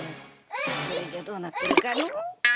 それじゃどうなってるかのう。